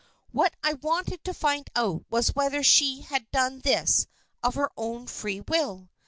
What I wanted to find out was whether she had done this of her own free will.